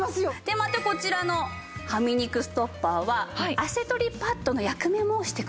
またこちらのはみ肉ストッパーは汗取りパッドの役目もしてくれるんです。